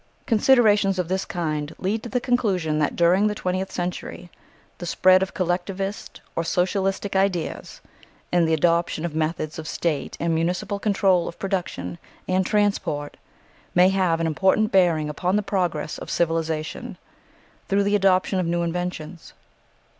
Considerations of this kind lead to the conclusion that during the twentieth century the spread of collectivist or socialistic ideas, and the adoption of methods of State and municipal control of production and transport may have an important bearing upon the progress of civilisation through the adoption of new inventions.